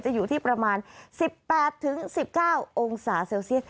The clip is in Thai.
อยู่ที่ประมาณ๑๘๑๙องศาเซลเซียส